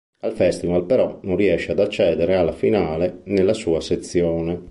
Al festival però non riesce ad accedere alla finale nella sua sezione.